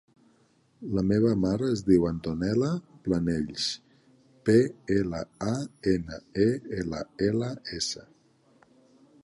La meva mare es diu Antonella Planells: pe, ela, a, ena, e, ela, ela, essa.